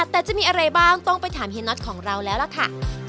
แต่จะมีอะไรบ้างต้องไปถามเฮียน็อตของเราแล้วล่ะค่ะ